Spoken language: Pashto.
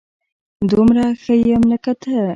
دومره ښه يم لکه ته